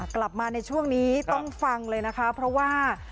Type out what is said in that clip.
กลับมาในช่วงนี้ต้องฟังเลยนะคะเพราะว่า